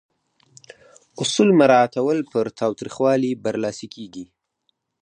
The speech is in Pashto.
اصول مراعاتول پر تاوتریخوالي برلاسي کیږي.